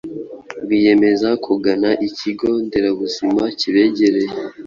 Biyemeza kugana ikigo nderabuzima kibegereye